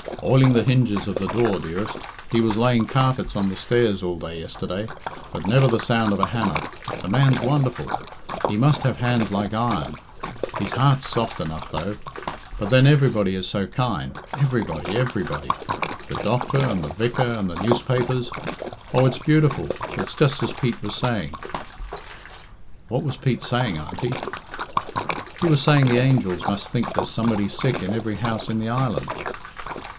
"Oiling the hinges of the door, dearest. He was laying carpets on the stairs all day yesterday. But never the sound of a hammer. The man's wonderful. He must have hands like iron. His heart's soft enough, though. But then everybody is so kind everybody, everybody! The doctor, and the vicar, and the newspapers oh, it's beautiful! It's just as Pete was saying." "What was Pete saying, Auntie?" "He was saying the angels must think there's somebody sick in every house in the island."